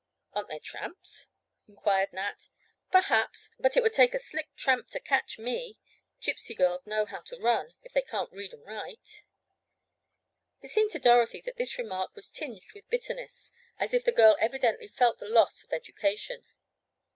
"Aren't there tramps?" inquired Nat. "Perhaps. But it would take a slick tramp to catch me. Gypsy girls know how to run, if they can't read and write." It seemed to Dorothy that this remark was tinged with bitterness; as if the girl evidently felt the loss of education.